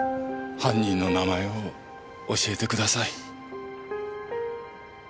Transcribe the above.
犯人の名前を教えてください。